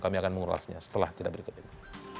kami akan mengulasnya setelah jeda berikut ini